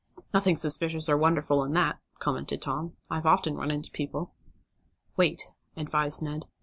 "Nothing suspicious or wonderful in that," commented Tom. "I've often run into people." "Wait," advised Ned.